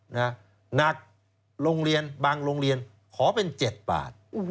นะหนักบางโรงเรียนขอเป็น๗บาท